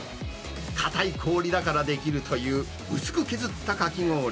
硬い氷だからできるという、薄く削ったかき氷。